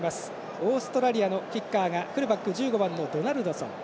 オーストラリアのキッカーがフルバック、１５番のドナルドソン。